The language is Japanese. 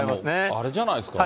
あれじゃないですか？